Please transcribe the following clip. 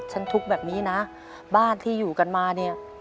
ทุกข์แบบนี้นะบ้านที่อยู่กันมาเนี่ย